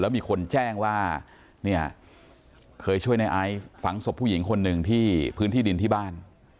มีคนแจ้งว่าเนี่ยเคยช่วยในไอซ์ฝังศพผู้หญิงคนหนึ่งที่พื้นที่ดินที่บ้าน